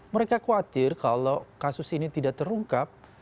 mereka khawatir kalau kasus ini tidak terungkap